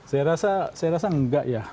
saya rasa nggak ya